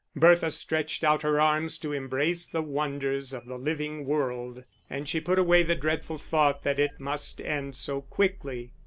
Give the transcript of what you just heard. Bertha stretched out her arms to embrace the wonders of the living world, and she put away the dreadful thought that it must end so quickly.